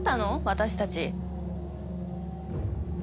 私たち。